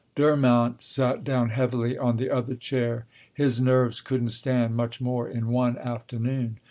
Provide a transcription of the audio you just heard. Durmont sat down heavily on the other chair; his nerves couldn't stand much more in one afternoon.